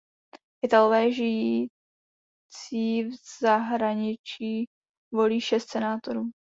Italové žijící v zahraničí volí šest senátorů.